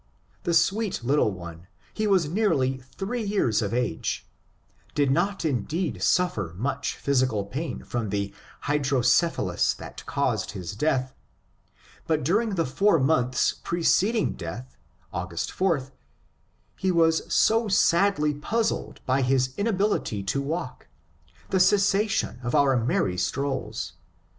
The sweet little one — he was nearly three years of age — did not indeed suffer much physical pain from the hydrocephalus that caused his death, but during the four months preceding death (August 4) he was so sadly puz zled by his inability to walk, the cessation of our merry strolls.